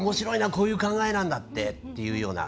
こういう考えなんだっていうような。